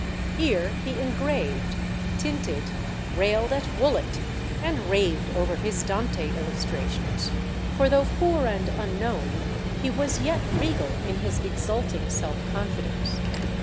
Here he engraved, tinted, railed at Woollett, and raved over his Dante illustrations; for though poor and unknown, he was yet regal in his exulting self confidence.